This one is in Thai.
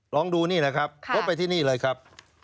ลองดูนี่นะครับงดไปที่นี่เลยครับ